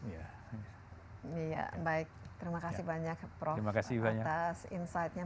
iya baik terima kasih banyak prof atas insightnya